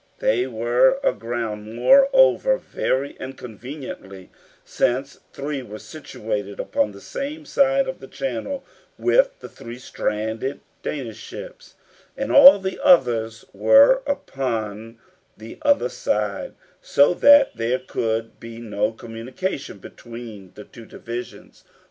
They were aground, moreover, very inconveniently, since three were situated upon the same side of the channel with the three stranded Danish ships, and all the others were upon the other side, so that there could be no communication between the two divisions.